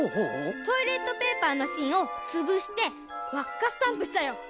トイレットペーパーのしんをつぶしてわっかスタンプしたよ。